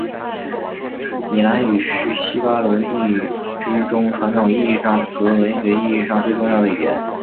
米兰语是西伦巴第语之中传统意义上和文学意义上最重要的语言。